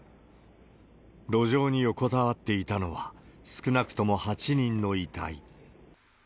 路上に横たわっていたのは、少なくとも８人の遺体。